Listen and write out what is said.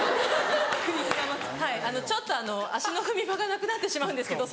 ・はいちょっとあの足の踏み場がなくなってしまうんですけど。